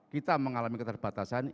kita mengalami keterbatasan